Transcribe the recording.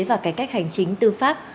và cái cách hành chính tư pháp